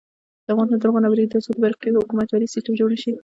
افغانستان تر هغو نه ابادیږي، ترڅو د برقی حکومتولي سیستم جوړ نشي.